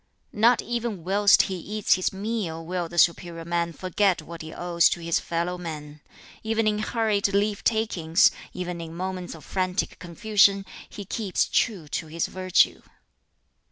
"Not even whilst he eats his meal will the 'superior man' forget what he owes to his fellow men. Even in hurried leave takings, even in moments of frantic confusion, he keeps true to this virtue.